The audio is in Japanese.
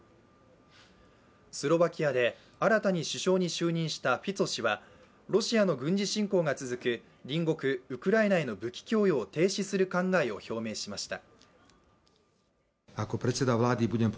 スロバキアで新たに首相に就任したフィツォ氏はロシアの軍事侵攻が続く隣国ウクライナへの武器供与を停止する考えを表明しました。